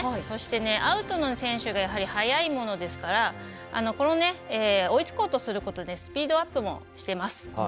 そしてアウトの選手がやはり速いものですから追いつこうとすることでスピードアップもしてます。